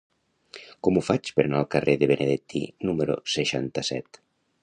Com ho faig per anar al carrer de Benedetti número seixanta-set?